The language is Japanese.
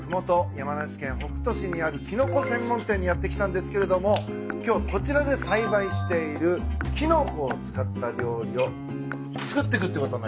山梨県北杜市にあるキノコ専門店にやって来たんですけれども今日こちらで栽培しているキノコを使った料理を作ってくってことに。